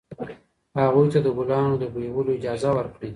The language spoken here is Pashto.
هغوی ته د ګلانو د بویولو اجازه ورکړئ.